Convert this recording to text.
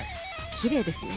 きれいです。